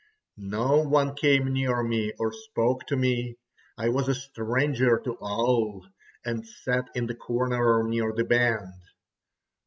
No one came near me, or spoke to me, I was a stranger to all, and sat in the corner near the band.